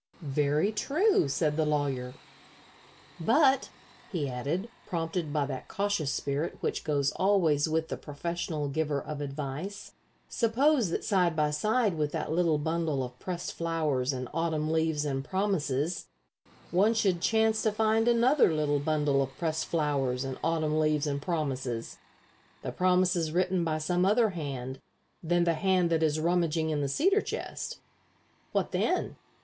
"Very true," said the lawyer; "but," he added, prompted by that cautious spirit which goes always with the professional giver of advice, "suppose that side by side with that little bundle of pressed flowers and autumn leaves and promises one should chance to find another little bundle of pressed flowers and autumn leaves and promises the promises written by some other hand than the hand that is rummaging in the cedar chest? What then?